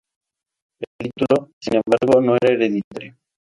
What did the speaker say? El título, sin embargo, no era hereditario.